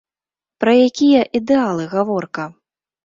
Пра якія ідэалы гаворка?